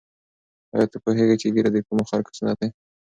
آیا ته پوهېږې چې ږیره د کومو خلکو سنت دی؟